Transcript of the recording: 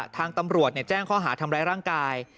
ทางตำรวจแจ้งข้อหาทำร้ายร่างกาย